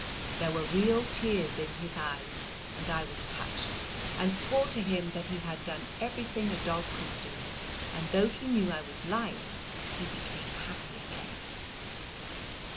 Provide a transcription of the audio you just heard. There were real tears in his eyes, and I was touched, and swore to him that he had done everything a dog could do, and though he knew I was lying he became happy again.